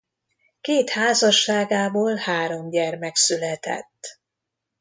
Két házasságából három gyermek született.